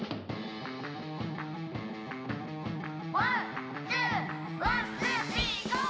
「ワンツーワンツースリーＧＯ！」